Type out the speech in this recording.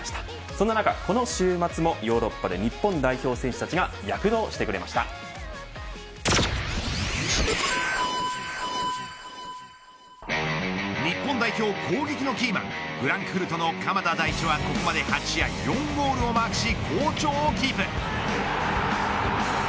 そんな中この週末もヨーロッパで日本代表選手たちが日本代表攻撃のキーマンフランクフルトの鎌田大地はここまで８試合４ゴールをマークし好調をキープ。